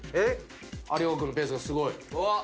有岡君のペースがすごい。